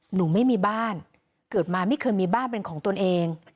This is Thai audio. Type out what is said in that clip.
หนูไม่มีบ้านเกิดมาไม่เคยมีบ้านเป็นของตนเอง